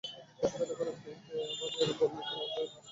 রসিকতা করে ফ্রাংককে বললাম, আমাদের বললেই তো মাছ নিয়ে আসতাম তোমাদের জন্য।